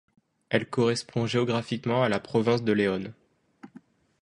Elle correspond géographiquement à la province de León.